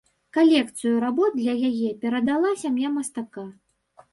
Калекцыю работ для яе перадала сям'я мастака.